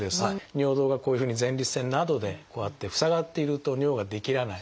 尿道がこういうふうに前立腺などでこうやって塞がっていると尿が出きらない。